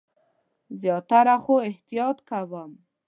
زیاتره، خو احتیاط کوم